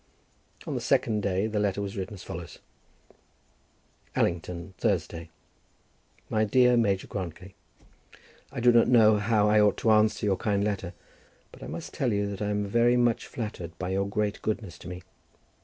On the second day the letter was written as follows: Allington, Thursday. MY DEAR MAJOR GRANTLY, I do not know how I ought to answer your kind letter, but I must tell you that I am very much flattered by your great goodness to me.